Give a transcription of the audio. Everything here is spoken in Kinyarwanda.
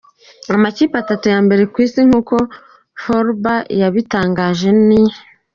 Amakipe atatu ya mbere ku Isi nk’uko Forbes yabitangaje ni:.